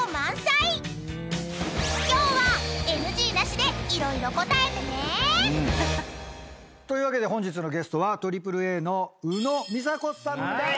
［今日はＮＧなしで色々答えてね］というわけで本日のゲストＡＡＡの宇野実彩子さんです！